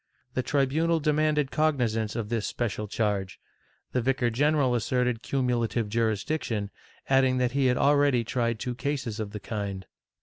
The tribunal demanded cognizance of this special charge; the vicar general asserted cumulative jurisdiction, adding that he had already tried two cases of the kind.